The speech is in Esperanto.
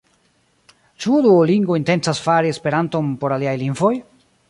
Ĉu Duolingo intencas fari Esperanton por aliaj lingvoj?